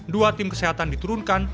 dua tim kesehatan diturunkan